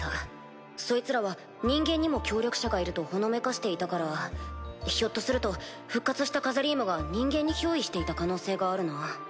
そいつらは人間にも協力者がいるとほのめかしていたからひょっとすると復活したカザリームが人間に憑依していた可能性があるな。